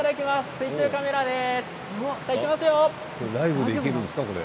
水中カメラです。